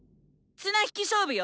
綱引き勝負よ